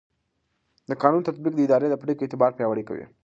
د قانون تطبیق د اداري پرېکړو اعتبار پیاوړی کوي.